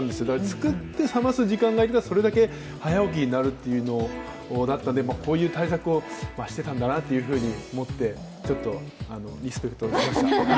作って冷ますためにそれだけ早起きになるということだったので、こういう対策をしていたんだなと思って、ちょっとリスペクトしました。